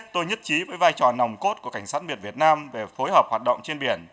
tôi nhất trí với vai trò nòng cốt của cảnh sát biển việt nam về phối hợp hoạt động trên biển